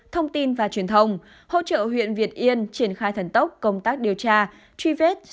thông tin và truyền thông hỗ trợ huyện việt yên triển khai thần tốc công tác điều tra truy vết